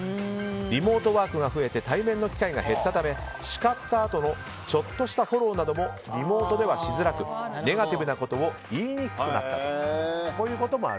リモートワークが増えて対面の機会が減ったため叱ったあとのちょっとしたフォローなどもリモートではしづらくネガティブなことが言いにくくなったと。